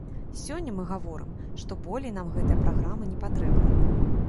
Сёння мы гаворым, што болей нам гэтая праграма не патрэбна.